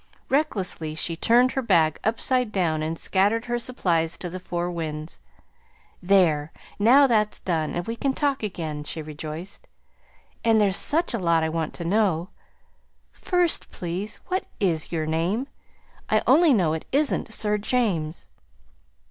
Recklessly she turned her bag upside down and scattered her supplies to the four winds. "There, now, that's done, and we can talk again," she rejoiced. "And there's such a lot I want to know. First, please, what IS your name? I only know it isn't 'Sir James.'"